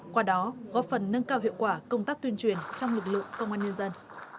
qua đó góp phần nâng cao hiệu quả công tác tuyên truyền trong lực lượng công an nhân dân